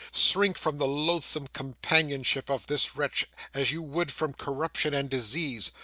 Shrink from the loathsome companionship of this wretch as you would from corruption and disease.